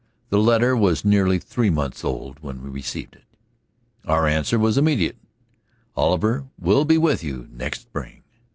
The letter was nearly three months old when we received it. Our answer was immediate: "Oliver will be with you next spring."